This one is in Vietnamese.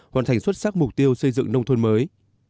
hoàn thành xuất sắc mục tiêu xây dựng nông thôn mới